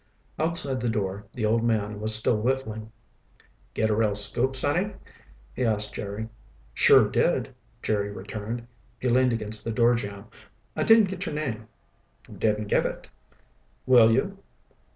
Outside the door, the old man was still whittling. "Get a real scoop, sonny?" he asked Jerry. "Sure did," Jerry returned. He leaned against the doorjamb. "I didn't get your name." "Didn't give it." "Will you?"